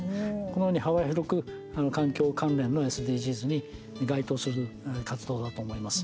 このように幅広く環境関連のＳＤＧｓに該当する活動だと思います。